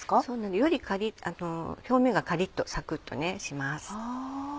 より表面がカリっとサクっとします。